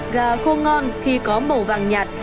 gà khô ngon khi có màu vàng nhạt